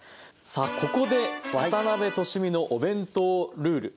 さあここで渡辺俊美のお弁当ルール。